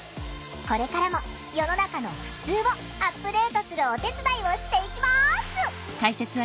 これからも世の中の「ふつう」をアップデートするお手伝いをしていきます。